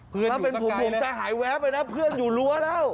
เพื่อนอยู่สักไก่เลยถ้าเป็นผู้ห่วงจะหายแวะไปนะเพื่อนอยู่รั้วแล้ว